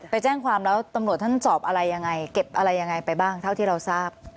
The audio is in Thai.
ไปแจ้งความแล้วตำรวจท่านสอบอะไรยังไงเก็บอะไรยังไงไปบ้างเท่าที่เราทราบ